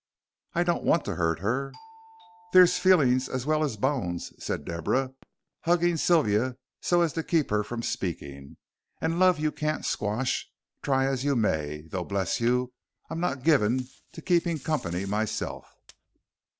"I don't want to hurt her ..." "There's feelings as well as bones," said Deborah, hugging Sylvia so as to keep her from speaking, "and love you can't squash, try as you may, though, bless you, I'm not given to keeping company myself."